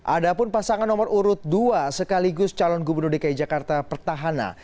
ada pun pasangan nomor urut dua sekaligus calon gubernur dki jakarta pertahanan